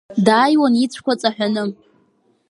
Дааиуан ицәқәа ҵаҳәаны.